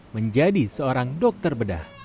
menjadi seorang dokter bedah